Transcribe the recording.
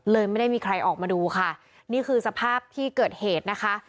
ไม่ได้มีใครออกมาดูค่ะนี่คือสภาพที่เกิดเหตุนะคะ